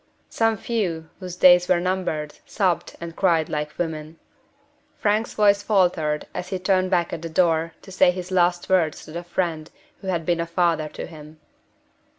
Some few whose days were numbered sobbed and cried like women. Frank's voice faltered as he turned back at the door to say his last words to the friend who had been a father to him.